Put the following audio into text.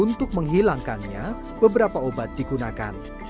untuk menghilangkannya beberapa obat digunakan